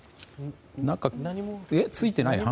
ついてない？